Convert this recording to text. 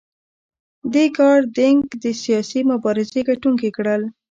دې کار دینګ د سیاسي مبارزې ګټونکي کړل.